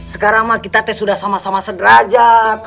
sekarang mah kita teh sudah sama sama sederajat